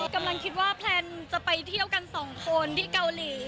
กำลังคิดว่าแพลนจะไปเที่ยวกันสองคนที่เกาหลี